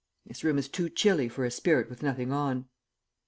This room is too chilly for a spirit with nothing on."